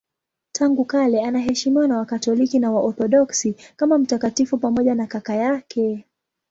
Tangu kale anaheshimiwa na Wakatoliki na Waorthodoksi kama mtakatifu pamoja na kaka yake.